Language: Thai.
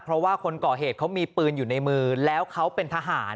เพราะว่าคนก่อเหตุเขามีปืนอยู่ในมือแล้วเขาเป็นทหาร